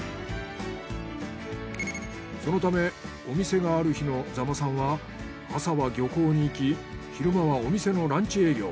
そのためお店がある日の座間さんは朝は漁港に行き昼間はお店のランチ営業。